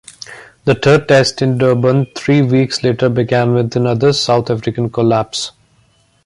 The Third Test in Durban three weeks later began with another South African collapse.